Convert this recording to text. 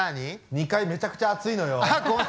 ２階めちゃくちゃ暑いのよ。